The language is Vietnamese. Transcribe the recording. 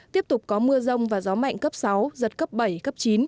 tiếp tục có mưa rông và gió mạnh cấp sáu giật cấp bảy cấp chín